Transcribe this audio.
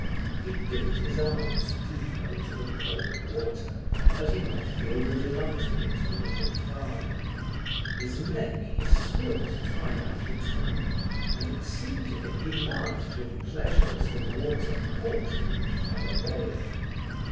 He dipped his arms deeper into the cold water, that he might feel the delight of it a little farther. His neck he swilled time after time, and it seemed to him he laughed with pleasure as the water caught him and fell away.